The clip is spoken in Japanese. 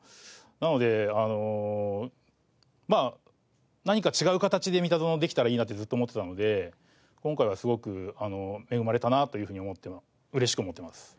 なのでまあ何か違う形で『ミタゾノ』できたらいいなってずっと思ってたので今回はすごく恵まれたなというふうに嬉しく思ってます。